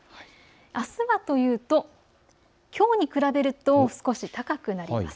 あすはというときょうに比べると少し高くなります。